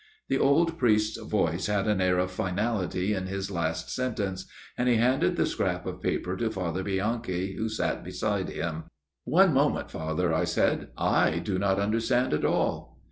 The old priest's voice had an air of finality in his last sentence, and he handed the scrap of paper to Father Bianchi, who sat beside him. " One moment, Father," I said, " I do not understand at all."